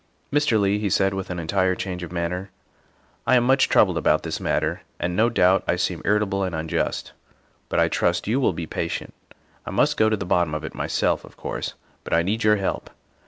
" Mr. Leigh," he said with an entire change of man ner, " I am much troubled about this matter, and, no doubt, I seem irritable and unjust, but I trust you will be patient. I must go to the bottom of it myself, of course, but I need your help.